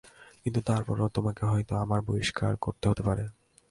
কিন্তু তারপরও তোমাকে হয়ত আমার বহিষ্কার করতে হতে পারে।